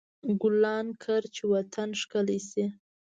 ګلان کر، چې وطن ښکلی شي.